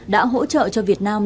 đã hỗ trợ cho việt nam